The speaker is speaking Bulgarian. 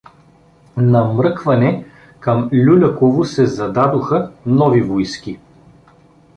На мръкване към Люляково се зададоха нови войски.